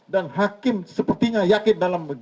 dan hakim sepertinya yakin dalam